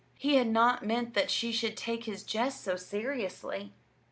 He had not meant that she should take his jest so seriously.